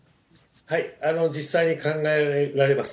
実際に考えられます。